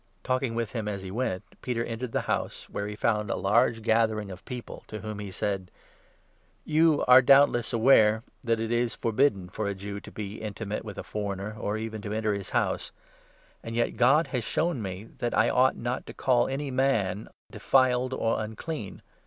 Talking with him as he went, Peter entered the house, where 27 he found a large gathering of people, to whom he said : 28 "You are doubtless aware that it is forbidden for a Jew to be intimate with a foreigner, or even to enter his house ; and yet God has shown me that I ought not to call any man 'defiled' or 'unclean.'